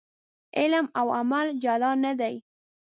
علم او عمل جلا نه دي.